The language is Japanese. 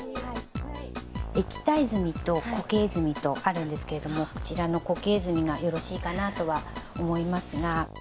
液体墨と固形墨とあるんですけれどもこちらの固形墨がよろしいかなとは思いますが。